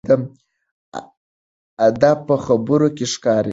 ادب په خبرو کې ښکاري.